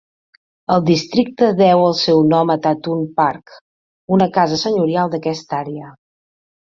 El districte deu el seu nom a Tatton Park, una casa senyorial d'aquesta àrea.